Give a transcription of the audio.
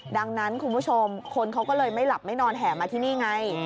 ดังนั้นคุณผู้ชมคนเขาก็เลยไม่หลับไม่นอนแห่มาที่นี่ไง